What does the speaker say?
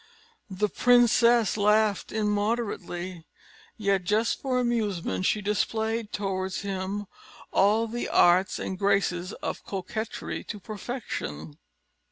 The princess laughed immoderately, yet, just for amusement, she displayed towards him all the arts and graces of coquetry to perfection.